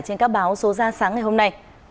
trên các báo số ra sáng ngày hôm nay